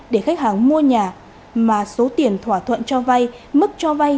để khách hàng mua nhà mà số tiền thỏa thuận cho vay mức cho vay